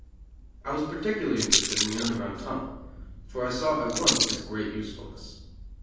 I was particularly interested in the Underground Tunnel, for I saw at once its great usefulness.